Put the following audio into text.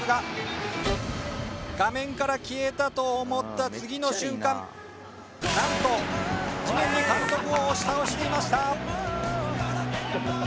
画面から消えたと思った次の瞬間なんと地面に監督を押し倒していました！